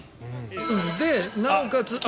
で、なおかつ。